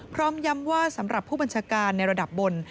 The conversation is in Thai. พร้อมย้ำว่าสำหรับผู้บัญชาการในระดับบน